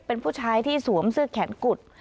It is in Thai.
เป็นผู้ชายที่สวมเสื้อแขนกุด